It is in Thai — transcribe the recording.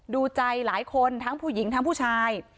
ดูใจหลายคนทั้งผู้หญิงทั้งผู้ชาย